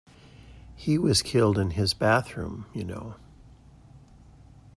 He was killed in his bathroom, you know.